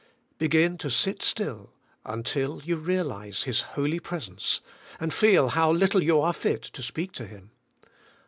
Begin to sit still until you realize His holy presence, and feel how little you are fit to speak to Him.